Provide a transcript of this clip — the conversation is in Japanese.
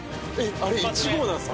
あれ１号なんですか？